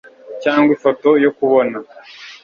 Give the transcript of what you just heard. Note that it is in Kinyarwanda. cyangwa ifoto yo kubona